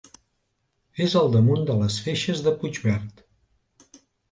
És al damunt de les Feixes de Puigverd.